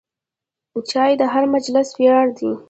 چای د هر مجلس ویاړ دی.